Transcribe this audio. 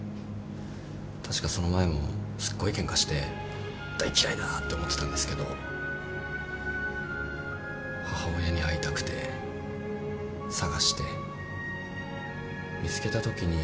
確かその前もすっごいケンカして大嫌いだって思ってたんですけど母親に会いたくて捜して見つけたときに。